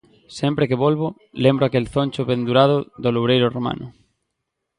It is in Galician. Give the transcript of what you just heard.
Sempre que volvo lembro aquel zoncho pendurado do loureiro romano